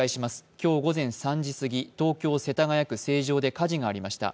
今日午前３時すぎ、東京・世田谷区成城で火事がありました。